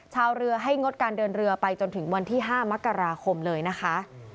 ชาวเรือให้งดการเดินเรือไปจนถึงวันที่๕มกราคมเลยนะคะ